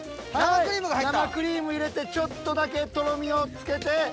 生クリーム入れてちょっとだけとろみをつけて。